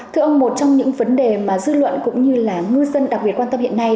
thưa ông một trong những vấn đề mà dư luận cũng như là ngư dân đặc biệt quan tâm hiện nay